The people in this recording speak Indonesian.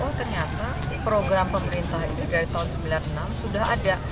oh ternyata program pemerintah itu dari tahun seribu sembilan ratus sembilan puluh enam sudah ada